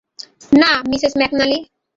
না, Mrs McNally.